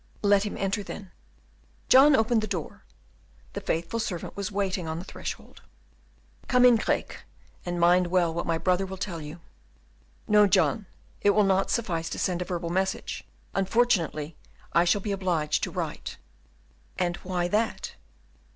"Let him enter then." John opened the door; the faithful servant was waiting on the threshold. "Come in, Craeke, and mind well what my brother will tell you." "No, John; it will not suffice to send a verbal message; unfortunately, I shall be obliged to write." "And why that?"